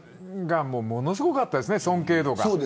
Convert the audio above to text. ものすごかったです、尊敬度が。